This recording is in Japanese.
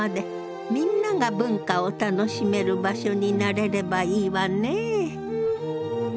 みんなが文化を楽しめる場所になれればいいわねぇ。